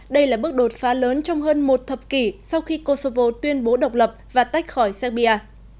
đây là bước đột phá lớn trong hơn một thập kỷ sau khi kosovo tuyên bố độc lập và tách khỏi serbia